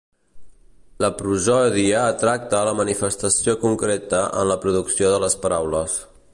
La prosòdia tracta la manifestació concreta en la producció de les paraules.